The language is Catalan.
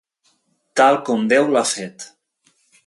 Tal com Déu l'ha fet.